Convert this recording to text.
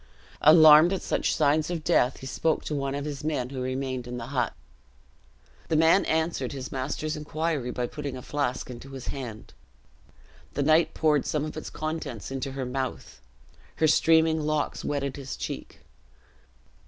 Alarmed at such signs of death, he spoke to one of his men who remained in the hut. The man answered his master's inquiry by putting a flash into his hand. The knight poured some of its contents into her mouth. Her streaming locks wetted his cheek.